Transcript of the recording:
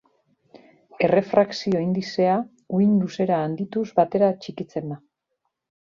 Errefrakzio-indizea uhin-luzera handituz batera txikitzen da.